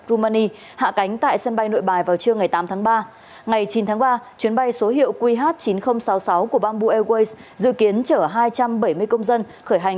rumani hạ cánh tại sân bay nội bài vào trưa ngày tám tháng ba ngày chín tháng ba chuyến bay số hiệu qh chín nghìn sáu mươi sáu của bamboo airways dự kiến chở hai trăm bảy mươi công dân khởi hành